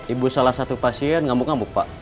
ibu salah satu pasien ngambuk ngamuk pak